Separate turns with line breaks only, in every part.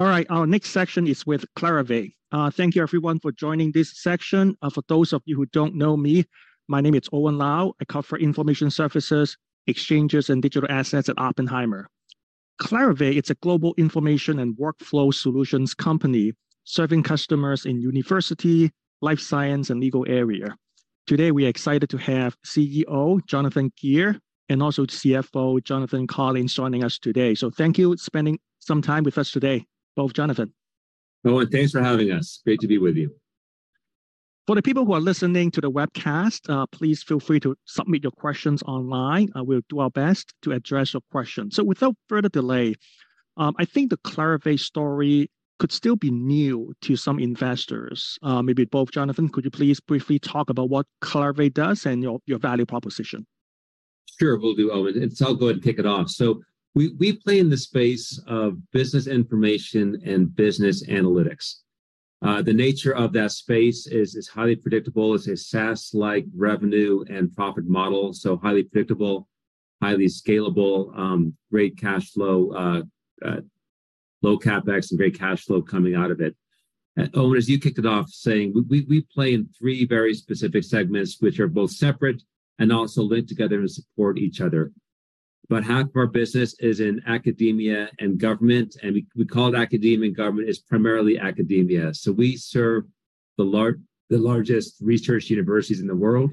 All right, our next section is with Clarivate. Thank you everyone for joining this section. For those of you who don't know me, my name is Owen Lau. I cover information services, exchanges, and digital assets at Oppenheimer. Clarivate, it's a global information and workflow solutions company serving customers in university, life science, and legal area. Today, we are excited to have CEO, Jonathan Gear, and also CFO, Jonathan Collins, joining us today. Thank you spending some time with us today, both Jonathans.
Owen, thanks for having us. Great to be with you.
For the people who are listening to the webcast, please feel free to submit your questions online. We'll do our best to address your questions. Without further delay, I think the Clarivate story could still be new to some investors. Maybe both Jonathans, could you please briefly talk about what Clarivate does and your, your value proposition?
Sure, will do, Owen. I'll go ahead and kick it off. We, we play in the space of business information and business analytics. The nature of that space is, is highly predictable, it's a SaaS-like revenue and profit model, highly predictable, highly scalable, great cash flow, low CapEx and great cash flow coming out of it. Owen, as you kicked it off saying, we, we, we play in 3 very specific segments, which are both separate and also linked together and support each other. Half of our business is in academia and government, and we, we call it academia and government, it's primarily academia. We serve the largest research universities in the world,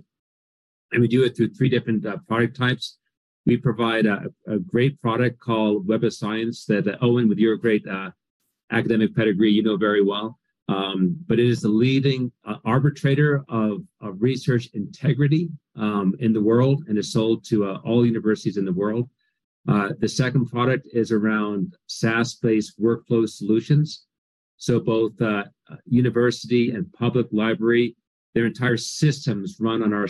and we do it through 3 different product types. We provide a, a great product called Web of Science that, Owen, with your great academic pedigree, you know very well. But it is the leading arbitrator of research integrity in the world and is sold to all universities in the world. The second product is around SaaS-based workflow solutions. Both university and public library, their entire systems run on our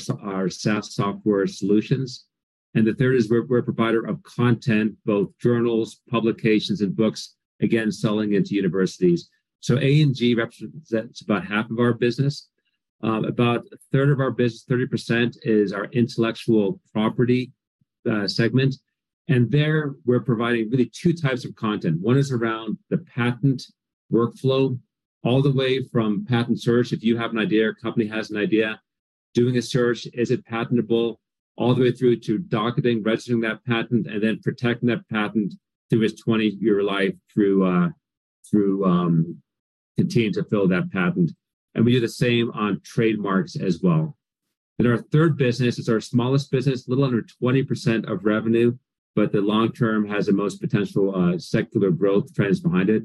SaaS software solutions. The third is we're, we're a provider of content, both journals, publications, and books, again, selling it to universities. A&G represents about half of our business. About a third of our business, 30% is our intellectual property segment, and there we're providing really two types of content. One is around the patent workflow, all the way from patent search, if you have an idea or company has an idea, doing a search, is it patentable? All the way through to docketing, registering that patent, and then protecting that patent through its 20-year life through, through continuing to fill that patent. We do the same on trademarks as well. Our third business is our smallest business, a little under 20% of revenue, but the long term has the most potential secular growth trends behind it.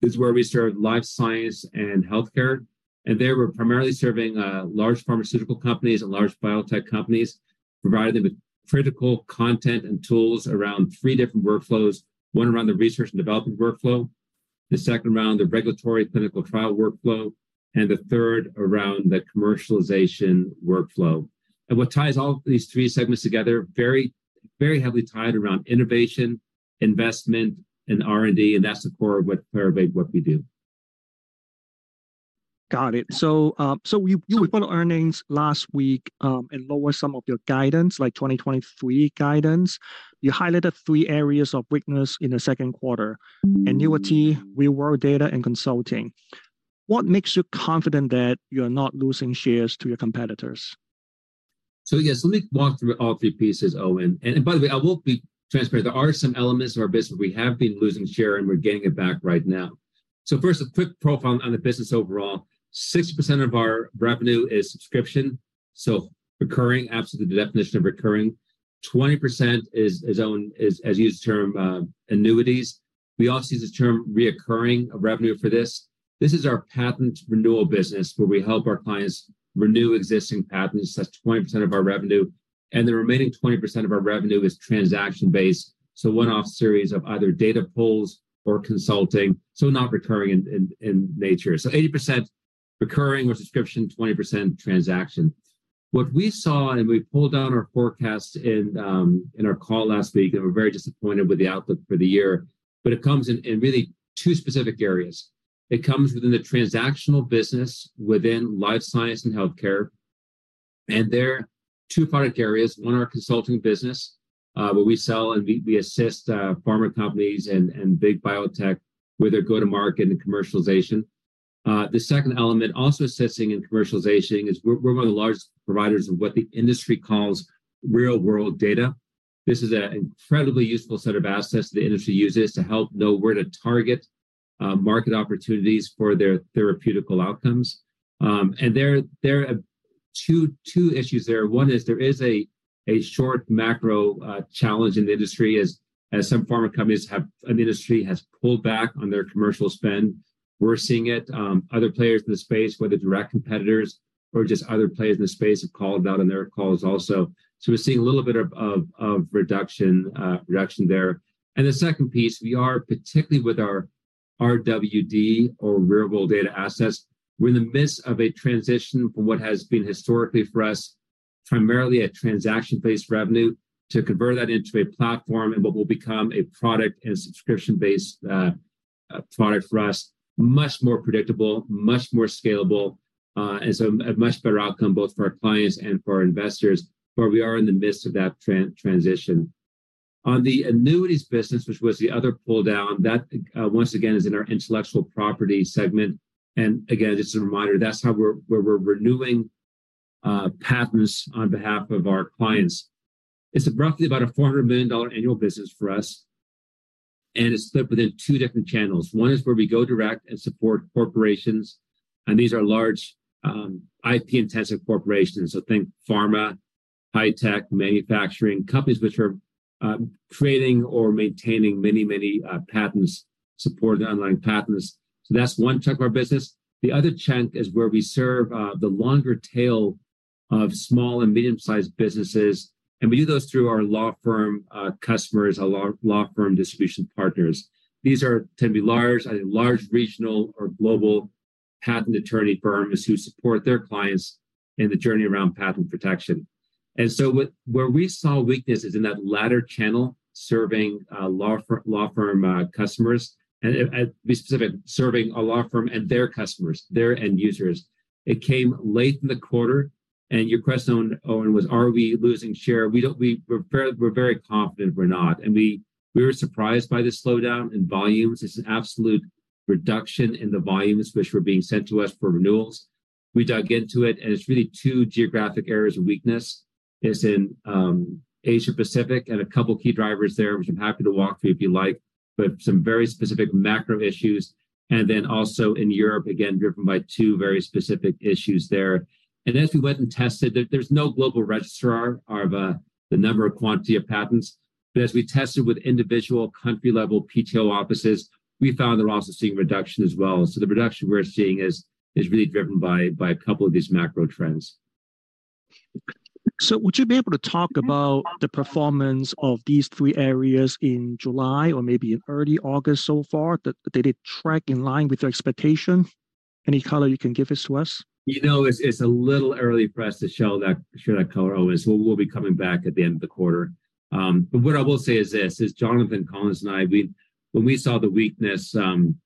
This is where we serve life science and healthcare, and there we're primarily serving large pharmaceutical companies and large biotech companies, providing them with critical content and tools around three different workflows. One around the research and development workflow, the second around the regulatory clinical trial workflow, and the third around the commercialization workflow. What ties all these three segments together, very, very heavily tied around innovation, investment, and R&D, and that's the core of what Clarivate, what we do.
Got it. So you, you reported earnings last week, and lowered some of your guidance, like 2023 guidance. You highlighted 3 areas of weakness in the Q2: annuity, real-world data, and consulting. What makes you confident that you're not losing shares to your competitors?
Yes, let me walk through all three pieces, Owen. By the way, I will be transparent. There are some elements of our business we have been losing share, and we're getting it back right now. First, a quick profile on the business overall. 60% of our revenue is subscription, so recurring, absolutely the definition of recurring. 20% is, Owen, as you use the term, annuities. We also use the term reoccurring revenue for this. This is our patent renewal business, where we help our clients renew existing patents. That's 20% of our revenue, and the remaining 20% of our revenue is transaction-based, so one-off series of either data polls or consulting, so not recurring in nature. 80% recurring or subscription, 20% transaction. What we saw, we pulled down our forecast in our call last week, and we're very disappointed with the outlook for the year. It comes in really two specific areas. It comes within the transactional business, within Life Sciences & Healthcare, and there are two product areas. One, our consulting business, where we sell and we assist pharma companies and big biotech with their go to market and commercialization. The second element, also assisting in commercialization, is we're one of the largest providers of what the industry calls real-world data. This is an incredibly useful set of assets the industry uses to help know where to target market opportunities for their therapeutic outcomes. There are two, two issues there. One is there is a, a short macro challenge in the industry as, as some pharma companies have, and the industry has pulled back on their commercial spend. We're seeing it, other players in the space, whether direct competitors or just other players in the space, have called it out on their calls also. We're seeing a little bit of, of, of reduction, reduction there. The second piece, we are, particularly with our RWD, or real-world data assets, we're in the midst of a transition from what has been historically for us, primarily a transaction-based revenue, to convert that into a platform and what will become a product and subscription-based product for us. Much more predictable, much more scalable.... a much better outcome both for our clients and for our investors, but we are in the midst of that transition. On the annuities business, which was the other pull down, that, once again, is in our Intellectual Property segment. Again, just a reminder, that's how we're, where we're renewing patents on behalf of our clients. It's roughly about a $400 million annual business for us, and it's split within two different channels. One is where we go direct and support corporations, and these are large, IP-intensive corporations. Think pharma, high tech, manufacturing, companies which are creating or maintaining many, many patents, supported online patents. That's one chunk of our business. The other chunk is where we serve the longer tail of small and medium-sized businesses, and we do those through our law firm customers, law firm distribution partners. These are, tend to be large, large, regional or global patent attorney firms who support their clients in the journey around patent protection. What- where we saw weaknesses in that latter channel, serving law firm customers and be specific, serving a law firm and their customers, their end users. It came late in the quarter, and your question, Owen, was, are we losing share? We're very, we're very confident we're not. We, we were surprised by the slowdown in volumes. It's an absolute reduction in the volumes which were being sent to us for renewals. We dug into it, and it's really two geographic areas of weakness. It's in Asia Pacific, and a couple key drivers there, which I'm happy to walk through if you like, but some very specific macro issues. Also in Europe, again, driven by two very specific issues there. As we went and tested, there, there's no global registrar of the number or quantity of patents, but as we tested with individual country-level PTO offices, we found they're also seeing a reduction as well. The reduction we're seeing is, is really driven by, by a couple of these macro trends.
Would you be able to talk about the performance of these 3 areas in July or maybe in early August so far? That they did track in line with your expectation. Any color you can give it to us?
You know, it's, it's a little early for us to show that, show that color, Owen. We, we'll be coming back at the end of the quarter. What I will say is this, as Jonathan Collins and I, we... When we saw the weakness, in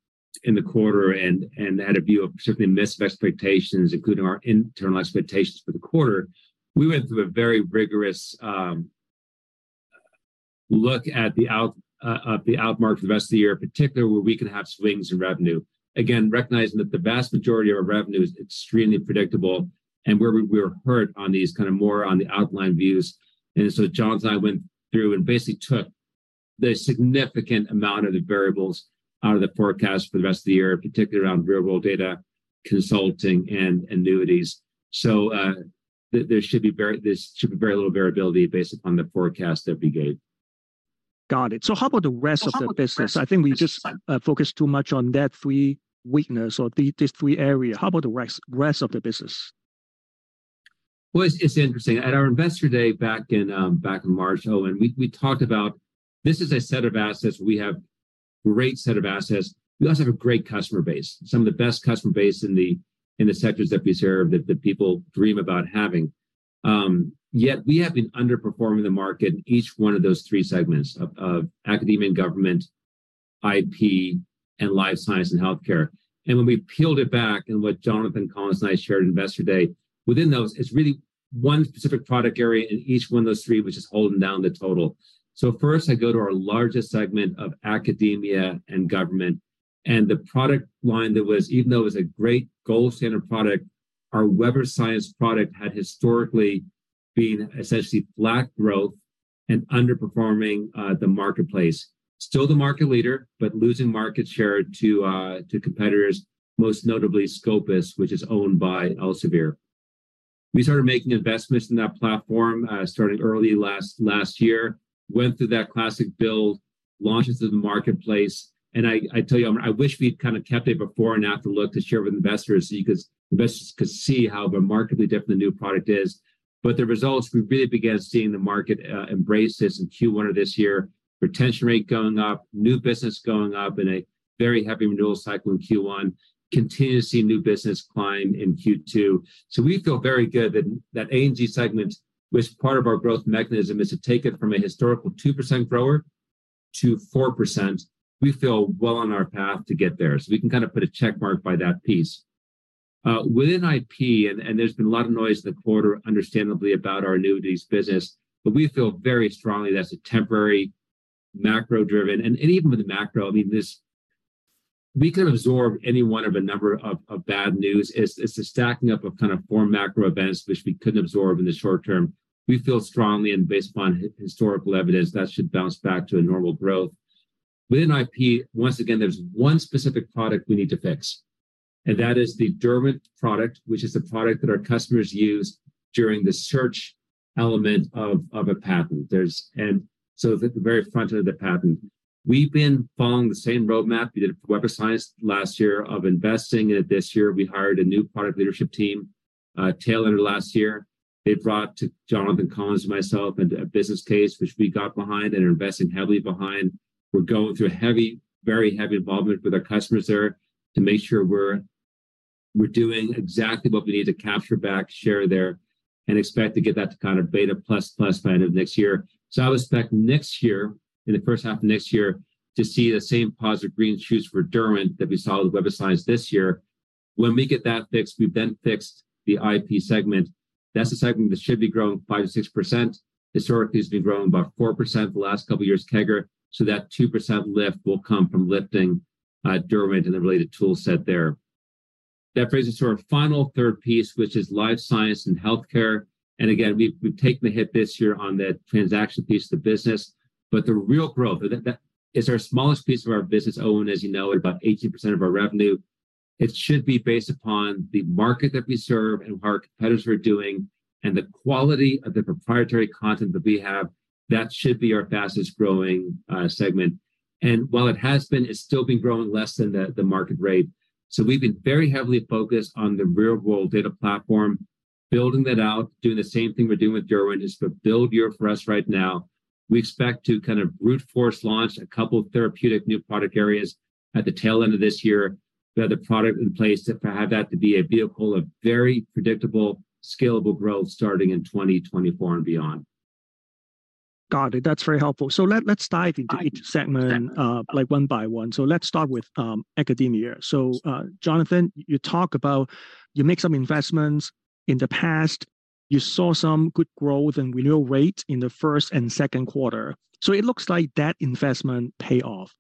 the quarter and, and had a view of certainly missed expectations, including our internal expectations for the quarter, we went through a very rigorous look at the out at the outmark for the rest of the year, particularly where we can have swings in revenue. Again, recognizing that the vast majority of our revenue is extremely predictable and where we, we were hurt on these kind of more on the outline views. John and I went through and basically took the significant amount of the variables out of the forecast for the rest of the year, particularly around real-world data, consulting, and annuities. There, there should be very little variability based upon the forecast that we gave.
Got it. How about the rest of the business? I think we just focused too much on that three weakness or these three areas. How about the rest of the business?
Well, it's, it's interesting. At our Investor Day back in, back in March, Owen, we, we talked about this is a set of assets, we have great set of assets. We also have a great customer base, some of the best customer base in the, in the sectors that we serve, that, that people dream about having. Yet we have been underperforming the market in each one of those three segments of, of academia and government, IP, and life science and healthcare. When we've peeled it back, and what Jonathan Collins and I shared at Investor Day, within those, it's really one specific product area in each one of those three, which is holding down the total. First, I go to our largest segment of Academia & Government, and the product line that was- even though it was a great gold standard product, our Web of Science product had historically been essentially flat growth and underperforming the marketplace. Still the market leader, but losing market share to competitors, most notably Scopus, which is owned by Elsevier. We started making investments in that platform, starting early last, last year, went through that classic build, launches in the marketplace, and I, I tell you, I wish we'd kind of kept a before and after look to share with investors, so investors could see how remarkably different the new product is. The results, we've really begun seeing the market embrace this in Q1 of this year. Retention rate going up, new business going up in a very heavy renewal cycle in Q1, continue to see new business climb in Q2. We feel very good that, that A&G segment, which part of our growth mechanism, is to take it from a historical 2% grower to 4%. We feel well on our path to get there, so we can kind of put a check mark by that piece. Within IP, and there's been a lot of noise in the quarter, understandably, about our annuities business, but we feel very strongly that's a temporary, macro-driven... Even with the macro, I mean, this, we could absorb any one of a number of, of bad news. It's, it's a stacking up of kind of 4 macro events which we couldn't absorb in the short term. We feel strongly based upon historical evidence, that should bounce back to a normal growth. Within IP, once again, there's one specific product we need to fix, that is the Derwent product, which is the product that our customers use during the search element of a patent. At the very front end of the patent, we've been following the same roadmap we did for Web of Science last year of investing, this year we hired a new product leadership team, tailored last year. They brought to Jonathan Collins and myself a business case which we got behind and are investing heavily behind. We're going through a heavy, very heavy involvement with our customers there to make sure we're doing exactly what we need to capture back, share there. Expect to get that to kind of beta plus, plus by end of next year. I would expect next year, in the first half of next year, to see the same positive green shoots for Derwent that we saw with Web of Science this year. We get that fixed, we've then fixed the IP segment. That's the segment that should be growing 5%-6%. Historically, it's been growing about 4% the last couple of years, CAGR, so that 2% lift will come from lifting Derwent and the related toolset there. Brings us to our final third piece, which is life science and healthcare. Again, we've, we've taken a hit this year on the transaction piece of the business, but the real growth, that is our smallest piece of our business, Owen, as you know, at about 18% of our revenue. It should be based upon the market that we serve and what our competitors are doing, and the quality of the proprietary content that we have. That should be our fastest-growing segment. While it has been, it's still been growing less than the market rate. We've been very heavily focused on the real-world data platform, building that out, doing the same thing we're doing with Derwent, is the build year for us right now. We expect to kind of brute force launch a couple of therapeutic new product areas at the tail end of this year. We have the product in place to have that to be a vehicle of very predictable, scalable growth starting in 2024 and beyond.
Got it. That's very helpful. let, let's dive into each segment.
Sure.
like, one by one. Let's start with, academia. Jonathan, you talk about... you made some investments in the past. You saw some good growth and renewal rates in the first and Q2, so it looks like that investment pay off.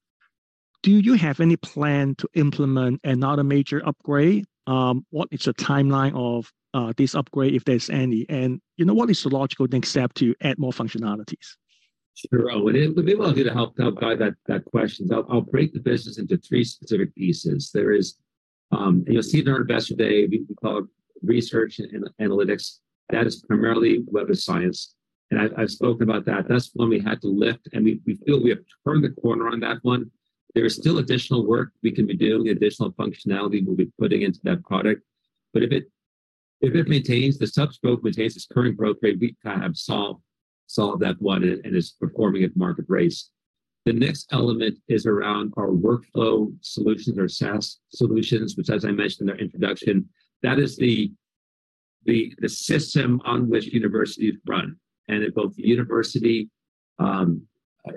Do you have any plan to implement another major upgrade? What is the timeline of this upgrade, if there's any? You know, what is the logical next step to add more functionalities?
Sure, Owen, and let me well guide, help, help guide that, that question. I'll, I'll break the business into three specific pieces. There is, and you'll see it in our Investor Day, we call it research and analytics. That is primarily Web of Science, and I've, I've spoken about that. That's one we had to lift, and we, we feel we have turned the corner on that one. There is still additional work we can be doing, additional functionality we'll be putting into that product. If it, if it maintains, the sub scope maintains its current growth rate, we kind of have solved, solved that one, and it's performing at market rates. The next element is around our workflow solutions, our SaaS solutions, which, as I mentioned in the introduction, that is the, the, the system on which universities run. At both university,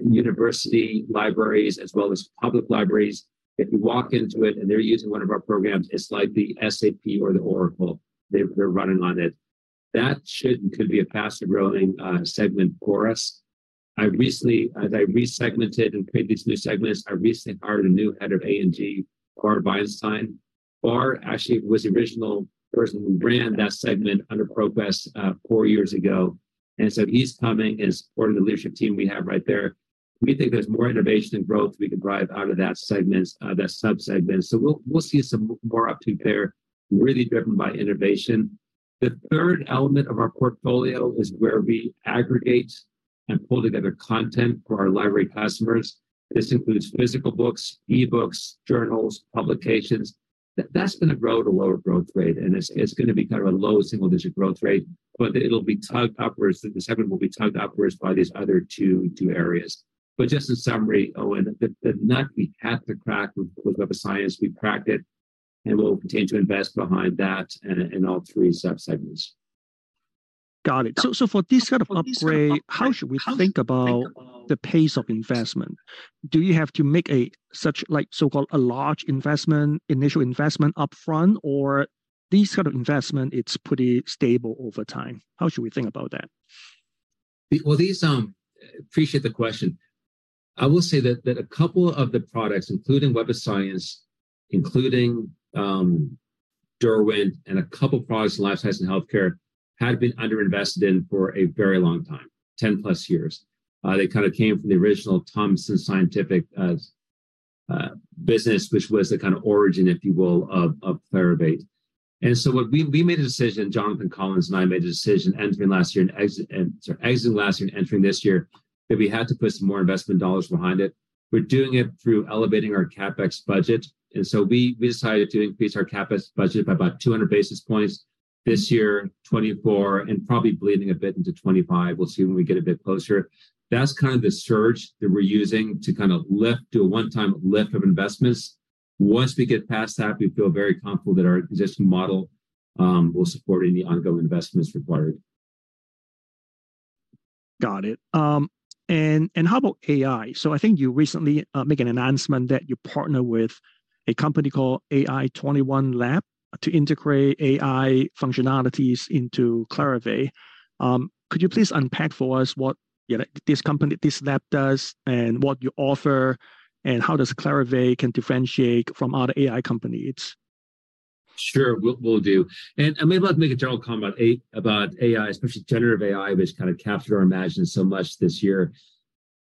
university libraries as well as public libraries, if you walk into it and they're using one of our programs, it's like the SAP or the Oracle. They're, they're running on it. That should, could be a faster-growing segment for us. As I resegmented and created these new segments, I recently hired a new head of A&G, Bar Veinstein. Bar actually was the original person who ran that segment under ProQuest, four years ago, and so he's coming and is part of the leadership team we have right there. We think there's more innovation and growth we can drive out of that segment, that sub-segment, so we'll, we'll see some more uptake there, really driven by innovation. The third element of our portfolio is where we aggregate and pull together content for our library customers. This includes physical books, e-books, journals, publications. That's gonna grow at a lower growth rate, and it's gonna be kind of a low double-digit growth rate, but it'll be tugged upwards, the segment will be tugged upwards by these other 2 areas. Just in summary, Owen, the nut we had to crack with Web of Science, we cracked it, and we'll continue to invest behind that in, in all 3 sub-segments.
Got it. For this kind of upgrade, how should we think about the pace of investment? Do you have to make, like, so-called a large investment, initial investment upfront, or these sort of investment, it's pretty stable over time? How should we think about that?
Well, these. Appreciate the question. I will say that, that a couple of the products, including Web of Science, including Derwent, and a couple products in life science and healthcare, had been underinvested in for a very long time, 10+ years. They kind of came from the original Thomson Scientific business, which was the kind of origin, if you will, of Clarivate. So we made a decision, Jonathan Collins and I made a decision, entering last year and exiting last year and entering this year, that we had to put some more investment dollars behind it. We're doing it through elevating our CapEx budget. So we, we decided to increase our CapEx budget by about 200 basis points this year, 2024, and probably bleeding a bit into 2025. We'll see when we get a bit closer. That's kind of the surge that we're using to kind of lift, do a one-time lift of investments. Once we get past that, we feel very confident that our existing model will support any ongoing investments required.
Got it. How about AI? I think you recently make an announcement that you partnered with a company called AI21 Labs to integrate AI functionalities into Clarivate. Could you please unpack for us what, you know, this company, this lab does, and what you offer, and how does Clarivate can differentiate from other AI companies?
Sure, will, will do. I'd like to make a general comment about AI, especially generative AI, which kind of captured our imagination so much this year.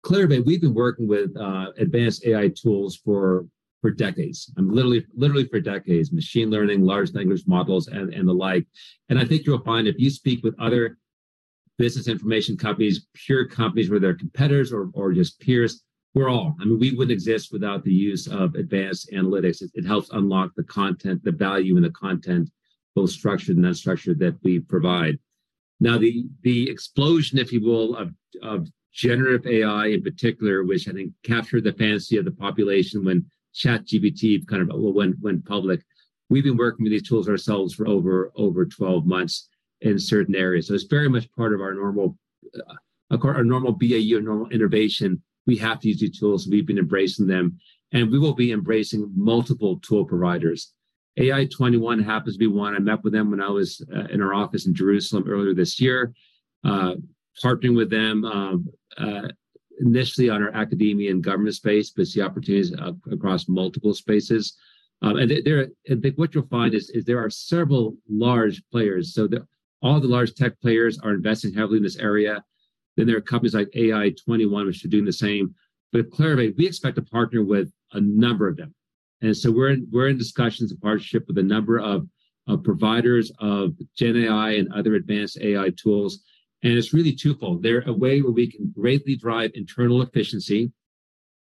Clarivate, we've been working with advanced AI tools for, for decades, literally, literally for decades, machine learning, large language models, and, and the like. I think you'll find if you speak with other business information companies, pure companies, whether they're competitors or, or just peers, we're all... I mean, we wouldn't exist without the use of advanced analytics. It, it helps unlock the content, the value in the content, both structured and unstructured, that we provide. Now, the, the explosion, if you will, of, of generative AI in particular, which I think captured the fancy of the population when ChatGPT kind of went, went public-... We've been working with these tools ourselves for over 12 months in certain areas. It's very much part of our normal, our normal BAU, our normal innovation. We have to use these tools, we've been embracing them, and we will be embracing multiple tool providers. AI21 happens to be one. I met with them when I was in our office in Jerusalem earlier this year. Partnering with them, initially on our Academia and Government space, but see opportunities across multiple spaces. And I think what you'll find is, is there are several large players, so all the large tech players are investing heavily in this area. There are companies like AI21, which are doing the same. At Clarivate, we expect to partner with a number of them, we're in discussions of partnership with a number of providers, of gen AI and other advanced AI tools. It's really twofold. They're a way where we can greatly drive internal efficiency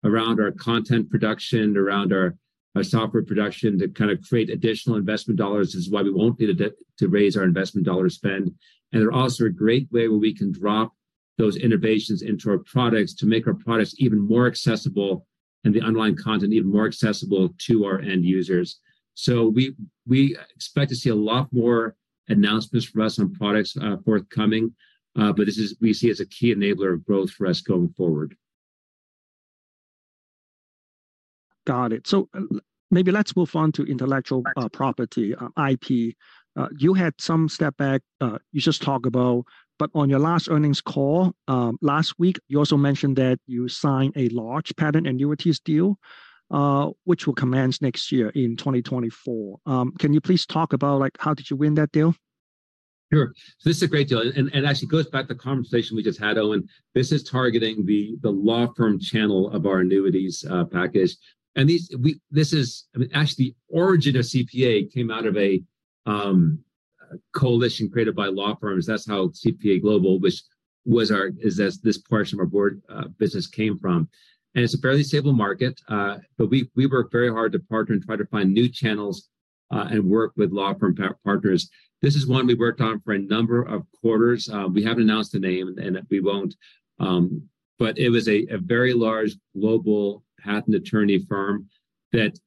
around our content production, around our software production, to kind of create additional investment dollars, is why we won't need to raise our investment dollar spend. They're also a great way where we can drop those innovations into our products to make our products even more accessible and the online content even more accessible to our end users. We expect to see a lot more announcements from us on products forthcoming, we see as a key enabler of growth for us going forward.
Got it. Maybe let's move on to intellectual property, IP. You had some step back, you just talked about, but on your last earnings call, last week, you also mentioned that you signed a large patent annuities deal, which will commence next year in 2024. Can you please talk about, like, how did you win that deal?
Sure. This is a great deal, and, and actually goes back to the conversation we just had, Owen. This is targeting the, the law firm channel of our annuities package. This is, I mean, actually, the origin of CPA came out of a coalition created by law firms. That's how CPA Global, which was our, is this, this portion of our board business came from, and it's a fairly stable market. We, we work very hard to partner and try to find new channels and work with law firm partners. This is one we worked on for a number of quarters. We haven't announced the name, and we won't, but it was a very large global patent attorney firm that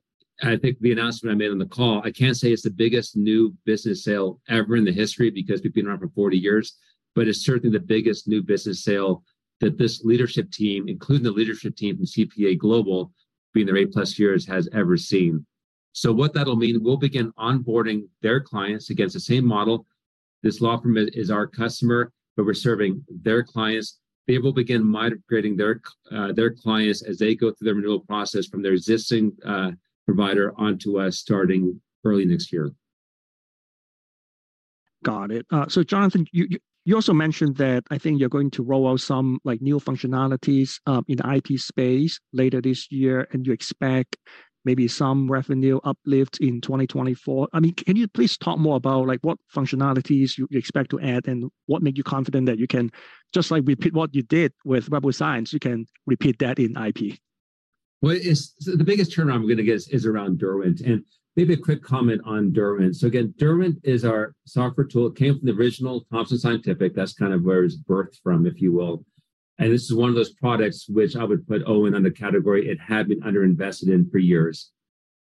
I think the announcement I made on the call, I can't say it's the biggest new business sale ever in the history, because we've been around for 40 years. It's certainly the biggest new business sale that this leadership team, including the leadership team from CPA Global, being there 8+ years, has ever seen. What that'll mean, we'll begin onboarding their clients against the same model. This law firm is our customer, but we're serving their clients. They will begin migrating their clients as they go through their renewal process from their existing provider on to us, starting early next year.
Got it. Jonathan, you, you, you also mentioned that I think you're going to roll out some, like, new functionalities in the IP space later this year, and you expect maybe some revenue uplift in 2024. I mean, can you please talk more about, like, what functionalities you, you expect to add, and what make you confident that you can just, like, repeat what you did with Web of Science, you can repeat that in IP?
Well, the biggest turnaround we're going to get is around Derwent, and maybe a quick comment on Derwent. Again, Derwent is our software tool. It came from the original Thomson Scientific. That's kind of where it was birthed from, if you will. This is one of those products which I would put, Owen, under the category it had been underinvested in for years.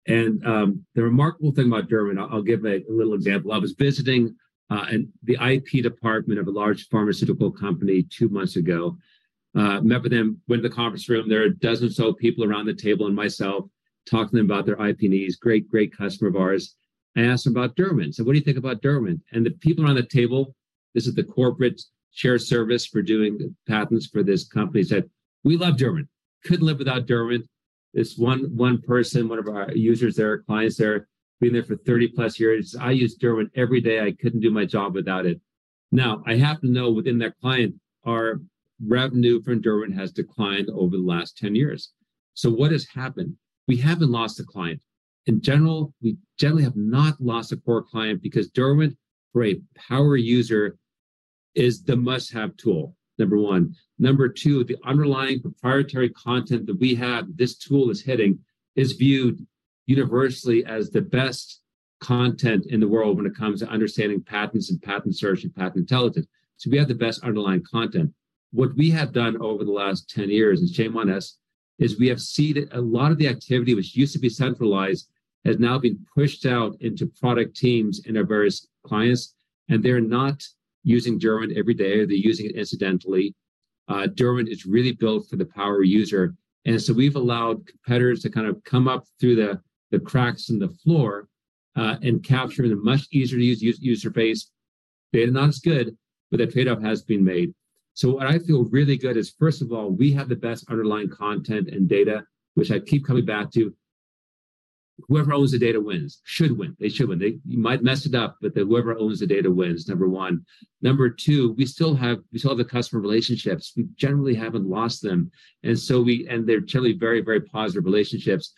The remarkable thing about Derwent I'll give a little example. I was visiting the IP department of a large pharmaceutical company 2 months ago. Met with them, went to the conference room. There were a dozen or so people around the table and myself, talked to them about their IP needs. Great, great customer of ours. I asked them about Derwent. What do you think about Derwent? The people around the table, this is the corporate shared service for doing patents for this company, said, "We love Derwent. Couldn't live without Derwent." This one, one person, one of our users there, clients there, been there for 30+ years. "I use Derwent every day. I couldn't do my job without it." Now, I happen to know within that client, our revenue from Derwent has declined over the last 10 years. What has happened? We haven't lost a client. In general, we generally have not lost a core client because Derwent, for a power user, is the must-have tool, number one. Number two, the underlying proprietary content that we have, this tool is hitting, is viewed universally as the best content in the world when it comes to understanding patents and patent search and patent intelligence. We have the best underlying content. What we have done over the last 10 years, and shame on us, is we have seeded a lot of the activity which used to be centralized, has now been pushed out into product teams and our various clients, and they're not using Derwent every day, or they're using it incidentally. Derwent is really built for the power user, and so we've allowed competitors to kind of come up through the, the cracks in the floor, and capture the much easier to use user base. Data not as good, but the trade-off has been made. What I feel really good is, first of all, we have the best underlying content and data, which I keep coming back to. Whoever owns the data wins, should win. They should win. They might mess it up, but whoever owns the data wins, number 1. Number 2, we still have, we still have the customer relationships. We generally haven't lost them. They're generally very, very positive relationships.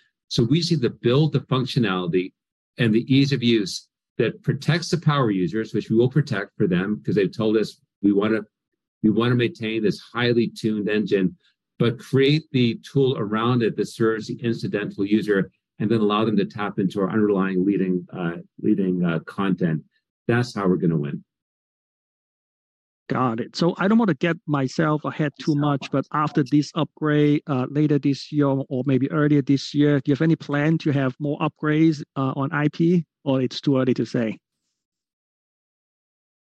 We see the build, the functionality, and the ease of use that protects the power users, which we will protect for them because they've told us, we want to, we want to maintain this highly tuned engine, but create the tool around it that serves the incidental user. Then allow them to tap into our underlying leading, leading content. That's how we're going to win.
Got it. I don't wanna get myself ahead too much, but after this upgrade, later this year or maybe earlier this year, do you have any plan to have more upgrades on IP, or it's too early to say?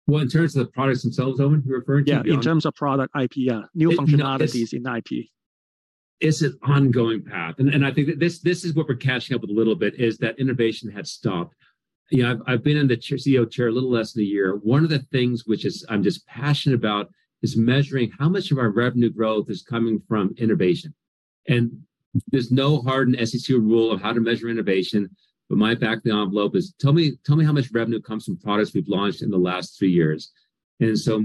Well, in terms of the products themselves, Owen, you're referring to?
Yeah, in terms of product IP, yeah. New functionalities in IP.
It's an ongoing path, and I think that this, this is what we're catching up with a little bit, is that innovation had stopped. You know, I've, I've been in the chair, CEO chair a little less than a year. One of the things which I'm just passionate about, is measuring how much of our revenue growth is coming from innovation. There's no hard and SEC rule of how to measure innovation, but my back-of-the-envelope is: tell me, tell me how much revenue comes from products we've launched in the last three years. So,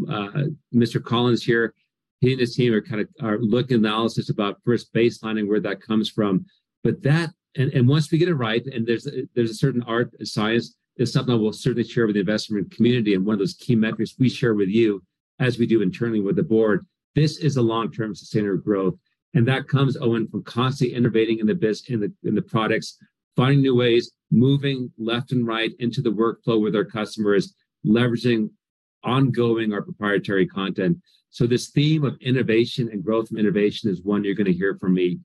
Mr. Collins here, he and his team are kinda looking at analysis about first baselining where that comes from. That... Once we get it right, there's a certain art and science, it's something that we'll certainly share with the investment community, and one of those key metrics we share with you, as we do internally with the board. This is a long-term sustainable growth. That comes, Owen, from constantly innovating in the biz, in the products, finding new ways, moving left and right into the workflow with our customers, leveraging ongoing our proprietary content. This theme of innovation and growth and innovation is one you're gonna hear from me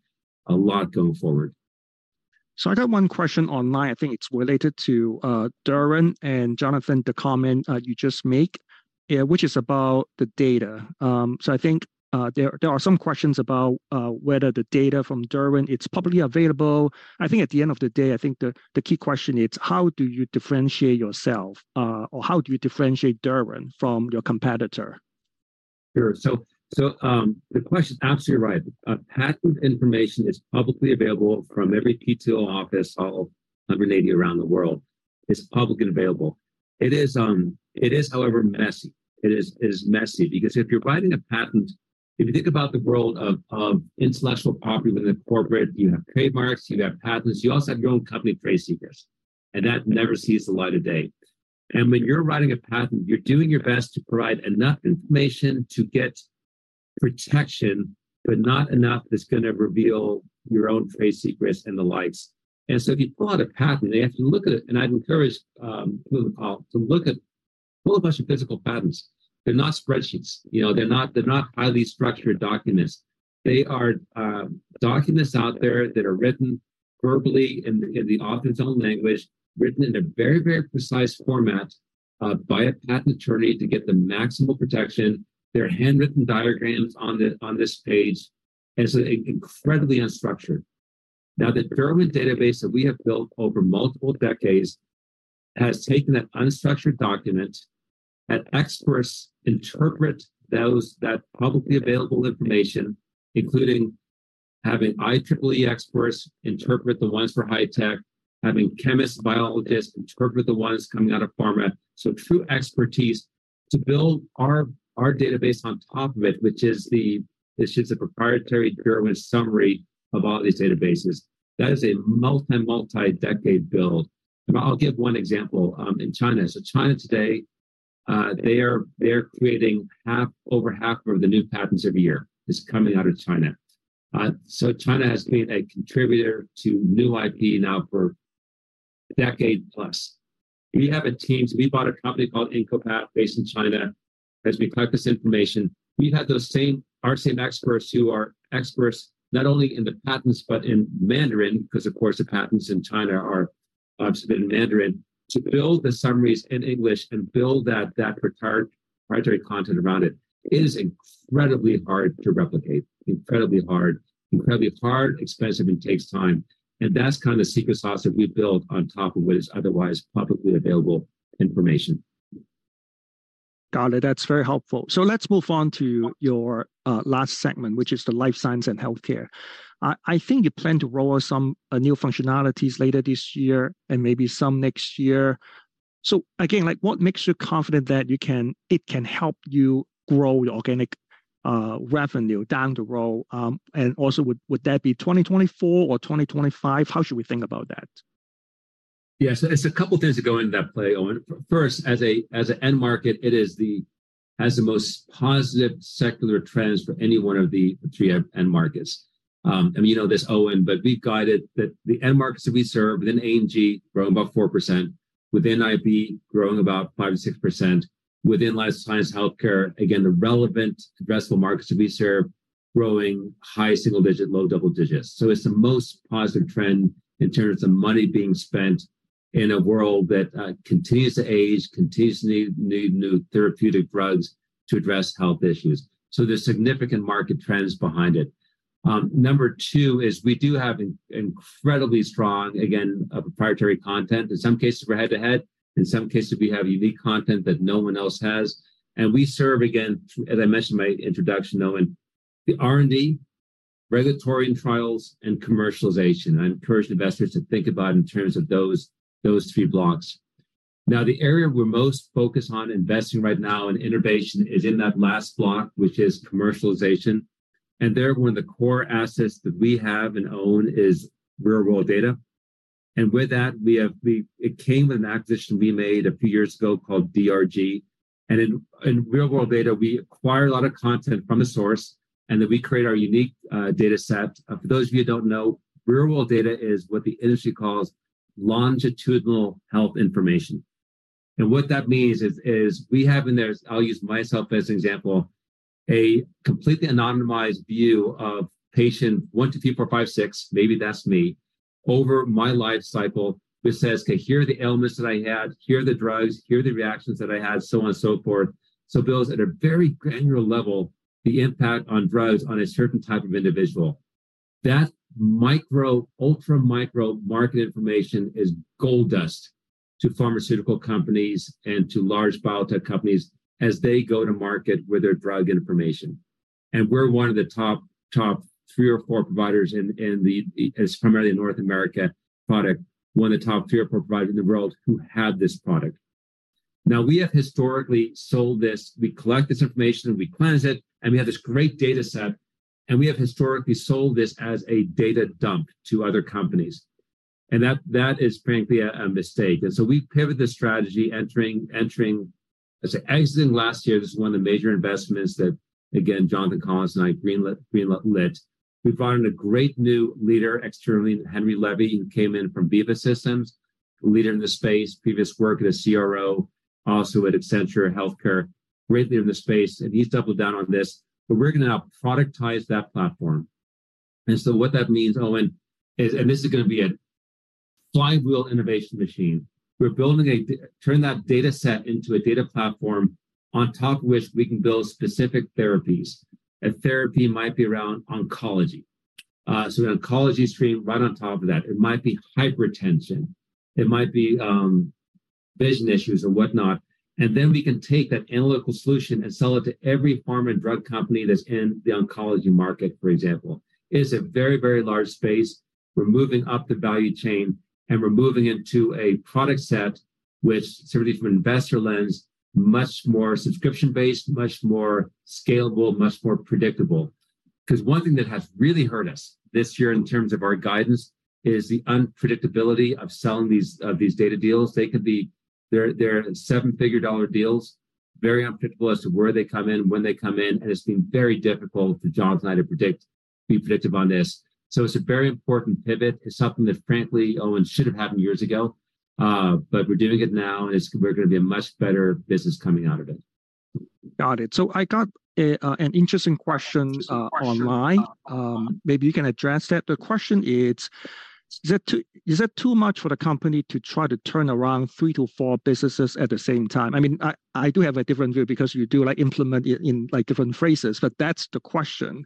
a lot going forward.
I got one question online. I think it's related to Derwent and, Jonathan, the comment you just make, which is about the data. I think there are some questions about whether the data from Derwent, it's publicly available. I think at the end of the day, I think the key question is: how do you differentiate yourself, or how do you differentiate Derwent from your competitor?
Sure. The question is absolutely right. Patent information is publicly available from every PTO office all over, 180 around the world. It's publicly available. It is, however, messy. It is messy because if you're writing a patent, if you think about the world of intellectual property within corporate, you have trademarks, you have patents, you also have your own company trade secrets, that never sees the light of day. When you're writing a patent, you're doing your best to provide enough information to get protection, but not enough that's gonna reveal your own trade secrets and the likes. If you pull out a patent, they have to look at it, and I'd encourage people to look at. Pull a bunch of physical patents. They're not spreadsheets, you know? They're not, they're not highly structured documents. They are documents out there that are written verbally in the, in the author's own language, written in a very, very precise format by a patent attorney to get the maximal protection. There are handwritten diagrams on this, on this page. It's incredibly unstructured. The Derwent database that we have built over multiple decades has taken that unstructured document. Experts interpret those, that publicly available information, including having IEEE experts interpret the ones for high tech, having chemists, biologists interpret the ones coming out of pharma. True expertise to build our, our database on top of it, which is the, it's just a proprietary Derwent summary of all these databases. That is a multi, multi-decade build. I'll give one example in China. China today, they are, they are creating half... Over half of the new patents every year is coming out of China. China has been a contributor to new IP now for 10+ years. We have a team, we bought a company called IncoPat, based in China. As we collect this information, we had those same, our same experts, who are experts not only in the patents but in Mandarin, because, of course, the patents in China are submitted in Mandarin. To build the summaries in English and build that, that proprietary content around it, is incredibly hard to replicate. Incredibly hard. Incredibly hard, expensive, and takes time, and that's kinda the secret sauce that we've built on top of what is otherwise publicly available information.
Got it. That's very helpful. Let's move on to your last segment, which is the Life Sciences & Healthcare. I think you plan to roll out some new functionalities later this year and maybe some next year. Again, like, what makes you confident that it can help you grow your organic revenue down the road? And also, would, would that be 2024 or 2025? How should we think about that?
Yes, it's a couple things that go into that play, Owen. First, as a, as a end market, it is has the most positive secular trends for any one of the 3 end markets. You know this, Owen, but we've guided that the end markets that we serve within A&G grow about 4%, within IP, growing about 5%-6%. Within life science healthcare, again, the relevant addressable markets that we serve, growing high single digit, low double digits. It's the most positive trend in terms of money being spent in a world that continues to age, continues to need, need new therapeutic drugs to address health issues, so there's significant market trends behind it. Number 2 is we do have an incredibly strong, again, a proprietary content. In some cases, we're head-to-head. In some cases, we have unique content that no one else has, we serve, again, as I mentioned in my introduction, Owen, the R&D, regulatory and trials, and commercialization. I encourage investors to think about it in terms of those, those three blocks. The area we're most focused on investing right now in innovation is in that last block, which is commercialization, and therefore, the core assets that we have and own is real-world data. With that, it came with an acquisition we made a few years ago, called DRG. In, in real-world data, we acquire a lot of content from the source, and then we create our unique dataset. For those of you who don't know, real-world data is what the industry calls longitudinal health information. What that means is, is we have in there, I'll use myself as an example, a completely anonymized view of patient 1, 2, 3, 4, 5, 6, maybe that's me, over my life cycle. This says, "Okay, here are the ailments that I had, here are the drugs, here are the reactions that I had," so on and so forth. Builds at a very granular level, the impact on drugs on a certain type of individual. That micro, ultra micro market information is gold dust to pharmaceutical companies and to large biotech companies as they go to market with their drug information. We're one of the top, top three or four providers in, in the, it's primarily a North America product, one of the top three or four providers in the world who had this product. Now, we have historically sold this. We collect this information, and we cleanse it, and we have this great data set, and we have historically sold this as a data dump to other companies, and that is frankly a mistake. We pivoted the strategy entering as of exiting last year, this is one of the major investments that, again, Jonathan Collins and I green lit. We brought in a great new leader externally, Henry Levy, who came in from Veeva Systems, a leader in the space, previous work at a CRO, also at Accenture Healthcare, greatly in the space, and he's doubled down on this. We're gonna now productize that platform. What that means, Owen, is. This is gonna be a flywheel innovation machine. We're building a d-- turn that data set into a data platform, on top of which we can build specific therapies. A therapy might be around oncology, an oncology stream right on top of that. It might be hypertension, it might be vision issues or whatnot, we can take that analytical solution and sell it to every pharma and drug company that's in the oncology market, for example. It is a very, very large space. We're moving up the value chain, we're moving into a product set which, certainly from an investor lens, much more subscription-based, much more scalable, much more predictable. 'Cause one thing that has really hurt us this year in terms of our guidance is the unpredictability of selling these, of these data deals. They're 7-figure dollar deals, very unpredictable as to where they come in, when they come in, it's been very difficult for Jonathan and I to be predictive on this. It's a very important pivot. It's something that, frankly, Owen, should have happened years ago, but we're doing it now, and we're gonna be a much better business coming out of it.
Got it. I got a, an interesting question, online. Maybe you can address that. The question is: Is that too, is that too much for the company to try to turn around 3 to 4 businesses at the same time? I mean, I, I do have a different view because you do, like, implement it in, like, different phases, but that's the question.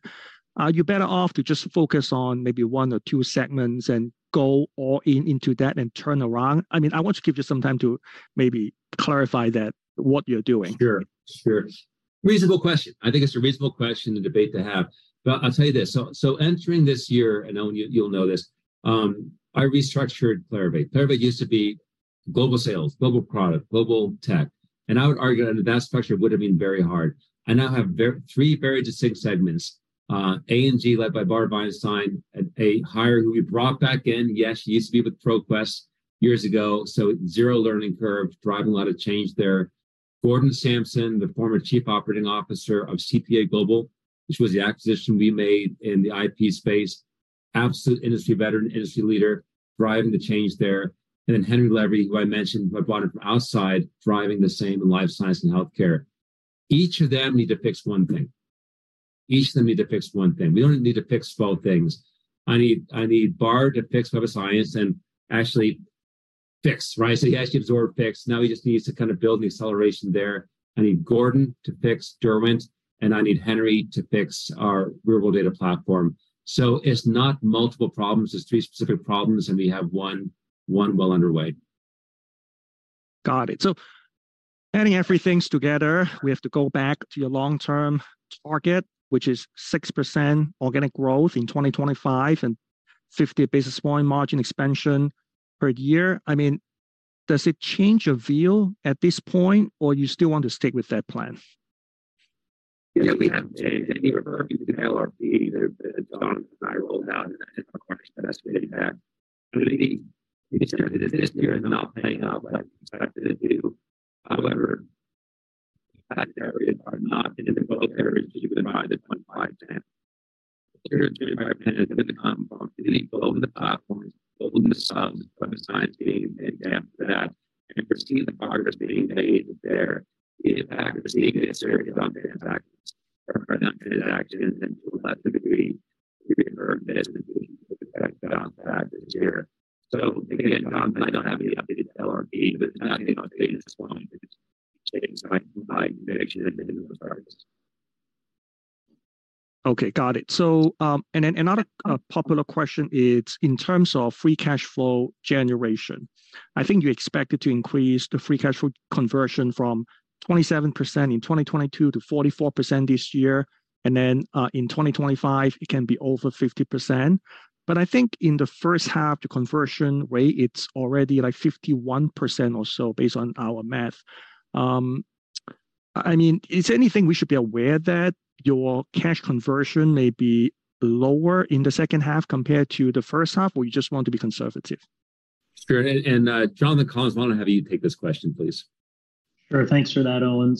Are you better off to just focus on maybe 1 or 2 segments and go all in into that and turn around? I mean, I want to give you some time to maybe clarify that, what you're doing.
Sure, sure. Reasonable question. I think it's a reasonable question and debate to have, but I'll tell you this. Entering this year, and Owen, you'll know this, I restructured Clarivate. Clarivate used to be global sales, global product, global tech, and I would argue under that structure, it would've been very hard. I now have three very distinct segments. A&G, led by Bar Veinstein, a hire who we brought back in. Yes, she used to be with ProQuest years ago, so zero learning curve, driving a lot of change there. Gordon Samson, the former chief operating officer of CPA Global, which was the acquisition we made in the IP space, absolute industry veteran, industry leader, driving the change there. Then Henry Levy, who I mentioned, who I brought in from outside, driving the same in Life Sciences & Healthcare. Each of them need to fix 1 thing. Each of them need to fix 1 thing. We don't need to fix 12 things. I need, I need Bar to fix life science and actually fix, right. Yes, she absorbed, fixed, now we just need to kind of build the acceleration there. I need Gordon to fix Derwent, and I need Henry to fix our Cortellis data platform. It's not multiple problems, it's 3 specific problems, and we have 1 well underway.
Got it. Adding everything together, we have to go back to your long-term target, which is 6% organic growth in 2025 and 50 basis point margin expansion per year. I mean, does it change your view at this point, or you still want to stick with that plan?
Yeah, we haven't changed any of our LRP that Jonathan and I rolled out in our last press meeting back. I mean, this year is not playing out like we expected it to. However, the fact that we are not in both areas to provide the point five ten. Here at 10, with the compound, equal in the platforms, both in the subs, by the science being made after that, and we're seeing the progress being made there. The impact of seeing this transaction or transaction, and to a lesser degree, we heard this year. Again, I don't have any updated LRP, but nothing on this one. I actually have been in the process.
Okay, got it. Another popular question is, in terms of free cash flow generation, I think you expected to increase the free cash flow conversion from 27% in 2022 to 44% this year, and then, in 2025, it can be over 50%. I think in the first half, the conversion rate, it's already like 51% or so, based on our math. I mean, is there anything we should be aware that your cash conversion may be lower in the second half compared to the first half, or you just want to be conservative?
Sure, and, and, Jonathan Collins, why don't I have you take this question, please? Sure, thanks for that, Owen.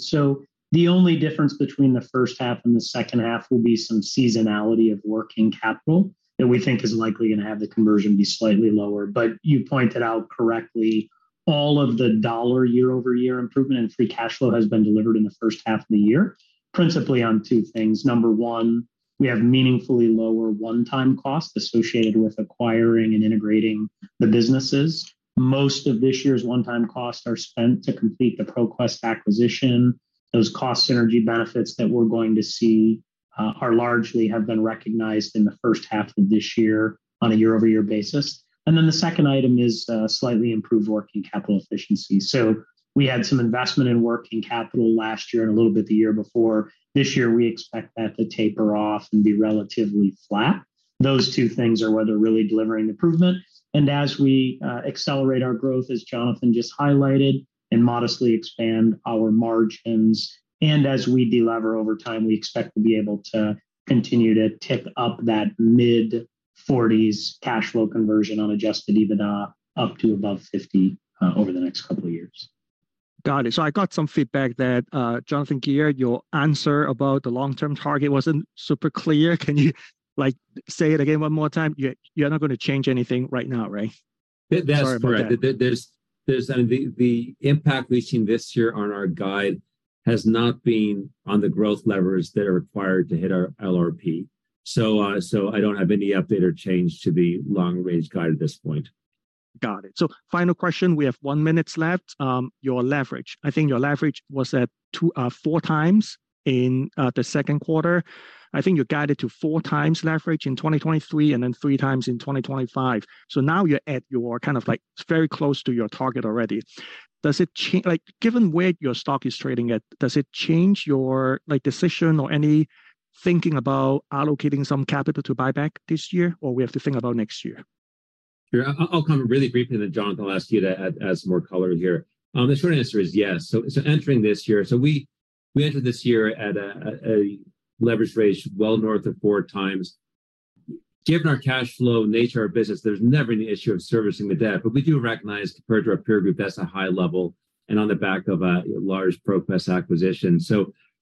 The only difference between the first half and the second half will be some seasonality of working capital that we think is likely gonna have the conversion be slightly lower. You pointed out correctly, all of the dollar year-over-year improvement in free cash flow has been delivered in the first half of the year, principally on two things. Number one, we have meaningfully lower one-time costs associated with acquiring and integrating the businesses. Most of this year's one-time costs are spent to complete the ProQuest acquisition. Those cost synergy benefits that we're going to see are largely have been recognized in the first half of this year on a year-over-year basis. The second item is slightly improved working capital efficiency. We had some investment in working capital last year and a little bit the year before. This year, we expect that to taper off and be relatively flat. Those two things are where they're really delivering improvement. As we accelerate our growth, as Jonathan just highlighted, and modestly expand our margins, and as we de-lever over time, we expect to be able to continue to tick up that mid-forties cash flow conversion on Adjusted EBITDA up to above 50 over the next couple of years.
Got it. I got some feedback that Jonathan Gear, your answer about the long-term target wasn't super clear. Can you, like, say it again one more time? You, you're not gonna change anything right now, right?
That's correct.
Sorry about that.
There's, there's, the, the impact we've seen this year on our guide has not been on the growth levers that are required to hit our LRP. I don't have any update or change to the long-range guide at this point.
Got it. Final question, we have 1 minute left. Your leverage. I think your leverage was at 2.4x in the Q2. I think you guided to 4x leverage in 2023, and then 3x in 2025. Now you're at your kind of like very close to your target already. Does it change your, like, decision or any thinking about allocating some capital to buyback this year, or we have to think about next year?
Sure. I'll comment really briefly. Jonathan, I'll ask you to add, add some more color here. The short answer is yes. Entering this year, we entered this year at a leverage ratio well north of 4 times. Given our cash flow and nature of business, there's never any issue of servicing the debt, we do recognize compared to our peer group, that's a high level and on the back of a large ProQuest acquisition.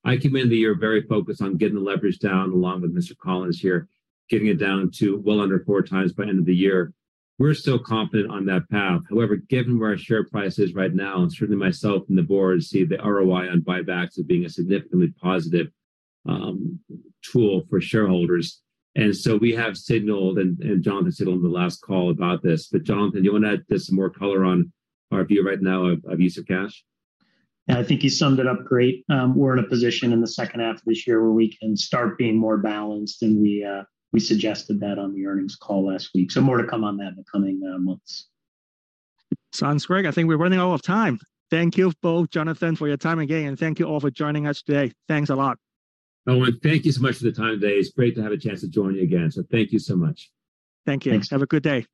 I came into the year very focused on getting the leverage down, along with Mr. Collins here, getting it down to well under 4 times by end of the year. We're still confident on that path. However, given where our share price is right now, and certainly myself and the board see the ROI on buybacks as being a significantly positive tool for shareholders. We have signaled, and Jonathan signaled on the last call about this. Jonathan, do you want to add just some more color on our view right now of use of cash?
I think you summed it up great. We're in a position in the second half of this year where we can start being more balanced, and we suggested that on the earnings call last week. More to come on that in the coming months.
Sounds great. I think we're running out of time. Thank you both, Jonathan, for your time again, and thank you all for joining us today. Thanks a lot.
Owen, thank you so much for the time today. It's great to have a chance to join you again. Thank you so much.
Thank you.
Thanks.
Have a good day. Bye-bye.